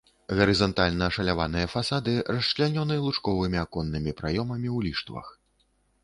Гарызантальна ашаляваныя фасады расчлянёны лучковымі аконнымі праёмамі ў ліштвах.